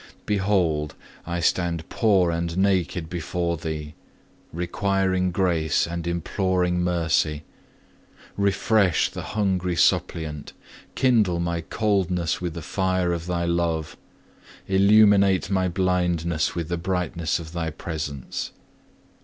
2. Behold, I stand poor and naked before Thee, requiring grace, and imploring mercy. Refresh the hungry suppliant, kindle my coldness with the fire of Thy love, illuminate my blindness with the brightness of Thy presence.